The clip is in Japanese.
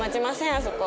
あそこ。